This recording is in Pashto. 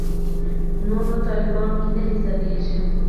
نور نو طالبانو کې نه حسابېږي.